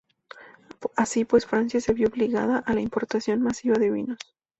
Así pues Francia se vio obligada a la importación masiva de vinos.